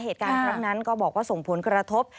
เหตุการณ์ครั้งนั้นก็บอกว่าส่งผลกระทบ